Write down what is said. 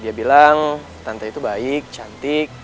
dia bilang tante itu baik cantik